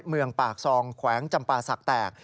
เมืองปากซองแขวงจำปาศักดิ์แตก